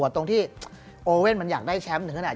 ตรงที่โอเว่นมันอยากได้แชมป์ถึงขนาด